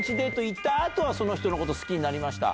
行った後はその人のこと好きになりました？